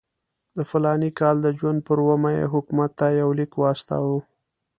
د فلاني کال د جون پر اوومه یې حکومت ته یو لیک واستاوه.